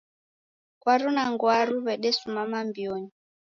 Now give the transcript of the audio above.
Kwaru na nguru w'edesimana mbionyi.